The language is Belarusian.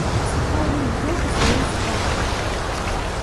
Сапраўдны профі сваёй справы!